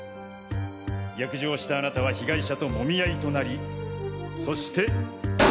逆上したあなたは被害者ともみ合いとなりそして。